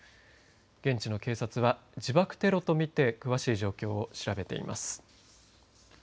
現地の警察は自爆テロと見て詳しい状況を調べています。